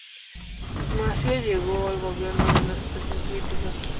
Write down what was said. Maciá llegó al gobierno en una situación crítica.